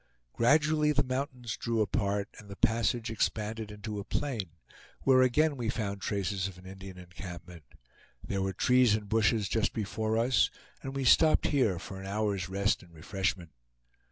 Gradually the mountains drew apart, and the passage expanded into a plain, where again we found traces of an Indian encampment. There were trees and bushes just before us, and we stopped here for an hour's rest and refreshment.